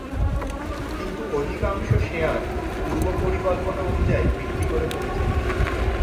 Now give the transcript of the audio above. কিন্তু অধিকাংশ শেয়ার পূর্বপরিকল্পনা অনুযায়ী বিক্রি করে ফেলেছেন তিনি।